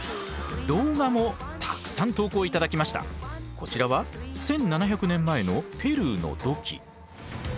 こちらは１，７００年前のペルーの土器。